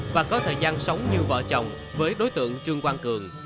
và có thời gian sống như vợ chồng với đối tượng trương quang cường